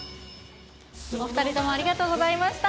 お２人ともありがとうございました。